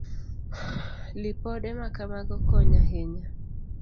Lipode ma kamago konyo ahinya.